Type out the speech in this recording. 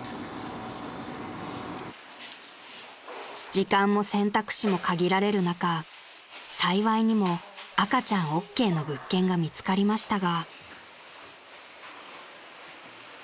［時間も選択肢も限られる中幸いにも赤ちゃんＯＫの物件が見つかりましたが］